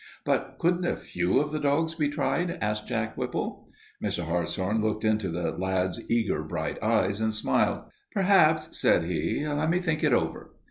"But couldn't a few of the dogs be tried?" asked Jack Whipple. Mr. Hartshorn looked into the lad's eager, bright eyes and smiled. "Perhaps," said he. "Let me think it over."